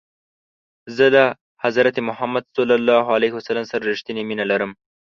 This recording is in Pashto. زه له حضرت محمد ص سره رښتنی مینه لرم.